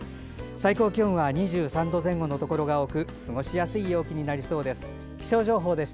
最高気温は２３度前後のところが多く過ごしやすい陽気になりそうです。